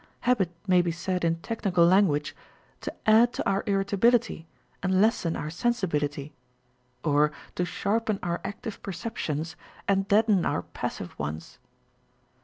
Uabit may be said in technical language to add to our irritability and lessen our sensibility, or to sharpen our active perceptions and deaden our passive ones.